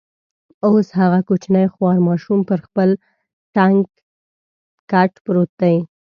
اوس هغه کوچنی خوار ماشوم پر خپل تنګ کټ پروت دی.